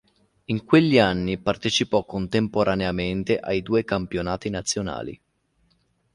In quegli anni partecipò contemporaneamente ai due campionati nazionali.